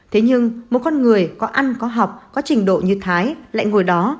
thế nhưng một con người có ăn có học có trình độ như thái lại ngồi đó